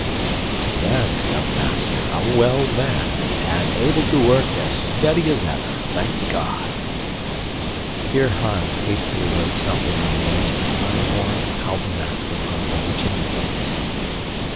"Yes, young master, a well man, and able to work as steady as ever, thank God!" Here Hans hastily wrote something on the edge of a time worn almanac that hung by the chimney place.